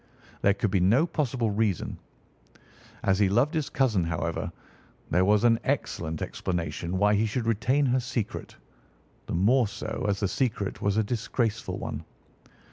There could be no possible reason. As he loved his cousin, however, there was an excellent explanation why he should retain her secret—the more so as the secret was a disgraceful one.